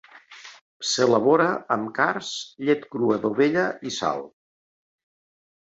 S'elabora amb cards, llet crua d'ovella i sal.